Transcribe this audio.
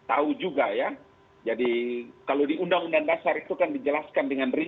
tahu juga ya jadi kalau di undang undang dasar itu kan dijelaskan dengan berita